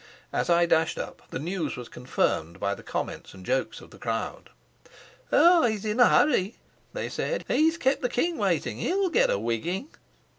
As I dashed up the news was confirmed by the comments and jokes of the crowd. "Ah, he's in a hurry," they said. "He's kept the king waiting. He'll get a wigging."